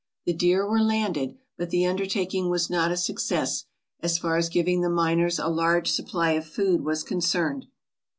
The deer were landed, but the undertaking was not a success, as far as giving the miners a large supply of food was concerned.